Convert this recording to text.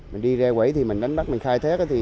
mình đi ra quẩy thì mình đánh bắt mình khai thét